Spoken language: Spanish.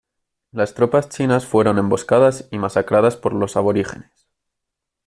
Las tropas chinas fueron emboscadas y masacradas por los aborígenes.